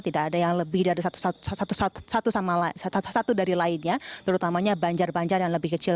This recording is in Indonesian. tidak ada yang lebih dari satu dari lainnya terutamanya banjar banjar yang lebih kecil